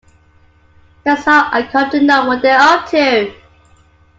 That's how I come to know what they're up to.